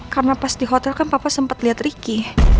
karena pas di hotel kan papa sempet liat riki